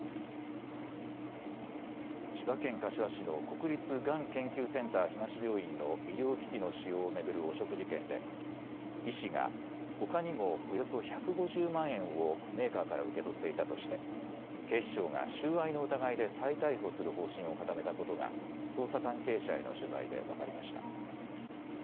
千葉県柏市の国立がん研究センター東病院の医療機器の使用を巡る汚職事件で医師がほかにもおよそ１５０万円をメーカーから受け取っていたとして警視庁が収賄の疑いで再逮捕する方針を固めたことが捜査関係者への取材で分かりました。